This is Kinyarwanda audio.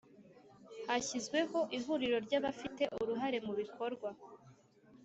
Hashyizweho ihuriro ry abafite uruhare mu bikorwa